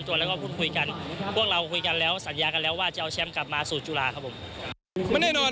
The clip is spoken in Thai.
ตัวผู้เล่นหลักของเรายังอยู่เต็มทั้งสหรัฐเองนะฮะ